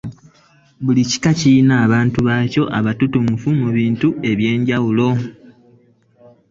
Buli kika kirina abantu baakyo abatutumufu mu bintu eby'enjawulo